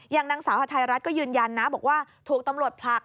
นางสาวฮาไทยรัฐก็ยืนยันนะบอกว่าถูกตำรวจผลัก